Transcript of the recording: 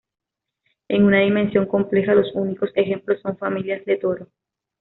En una dimensión compleja, los únicos ejemplos son familia de toros.